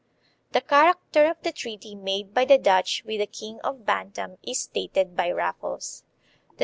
1 The character of the treaty made by the Dutch with the king of Bantam is stated by Raffles.